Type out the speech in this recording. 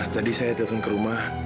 tadi saya telepon ke rumah